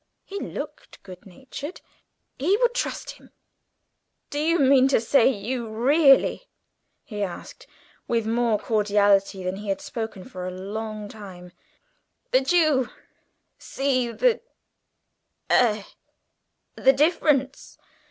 He looked good natured he would trust him. "Do you mean to say really," he asked, with more cordiality than he had spoken for a long time, "that you see the a the difference?"